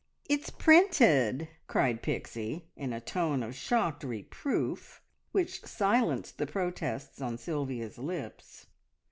It's printed!" cried Pixie in a tone of shocked reproof which silenced the protests on Sylvia's lips.